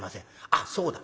「あっそうだ。